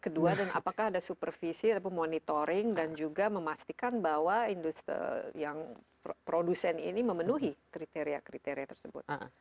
kedua dan apakah ada supervisi atau monitoring dan juga memastikan bahwa industri yang produsen ini memenuhi kriteria kriteria tersebut